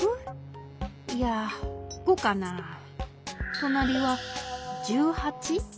となりは１８？